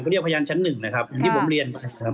เรียกพยานชั้นหนึ่งนะครับอย่างที่ผมเรียนไปครับ